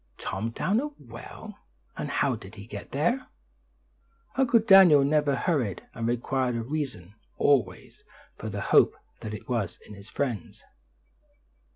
"Tom down a well! And how did he get there?" Uncle Daniel never hurried, and required a reason, always, for the hope that was in his friends.